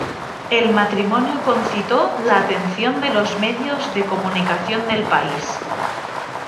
El matrimonio concitó la atención de los medios de comunicación del país.